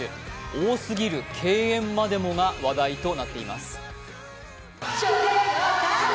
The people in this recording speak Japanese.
多すぎる敬遠までもが話題となっています。